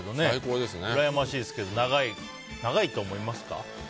うらやましいですけど長いと思いますか？